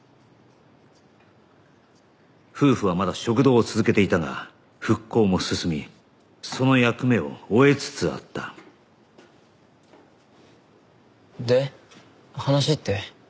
夫婦はまだ食堂を続けていたが復興も進みその役目を終えつつあったで話って？